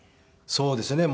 そうですね。